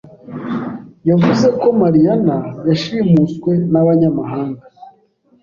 Yavuzeko Mariyana yashimuswe n'abanyamahanga.